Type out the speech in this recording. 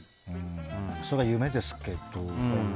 それは夢ですけど。